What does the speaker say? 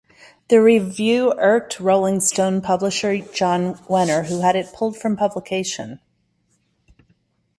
The review irked "Rolling Stone" publisher Jann Wenner who had it pulled from publication.